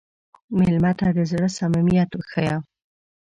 مېلمه ته د زړه صمیمیت وښیه.